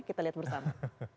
kita lihat bersama